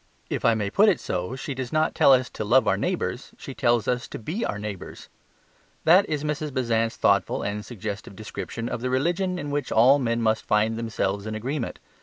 If I may put it so, she does not tell us to love our neighbours; she tells us to be our neighbours. That is Mrs. Besant's thoughtful and suggestive description of the religion in which all men must find themselves in agreement.